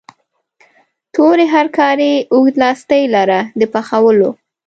تورې هرکارې اوږد لاستی لاره د پخولو.